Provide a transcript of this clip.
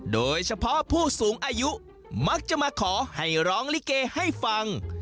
โดยเฉพาะผู้สูงอายุมักจะมาขอให้ร้องลิเกให้ฟัง